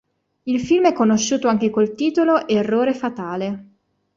Il film è conosciuto anche col titolo "Errore fatale".